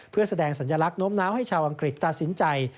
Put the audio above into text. เพื่อแสดงสัญลักษณ์โน้มน้าวให้ชาวอังกฤษตัดสินใจ